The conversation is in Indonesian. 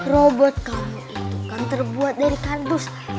robot kamu itu kan terbuat dari kardus